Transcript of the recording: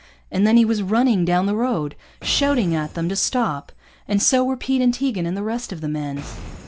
And then he was running down the road, shouting at them to stop, and so were Pete and Tegan and the rest of the men.